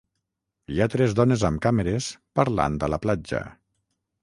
Hi ha tres dones amb càmeres parlant a la platja